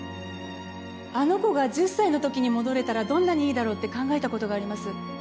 あの子が１０歳の時に戻れたらどんなにいいだろうって考えた事があります。